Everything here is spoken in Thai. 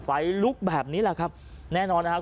ไฟลุกแบบนี้แหละครับแน่นอนนะครับ